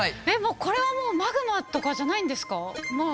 これはもうマグマとかじゃないんですか？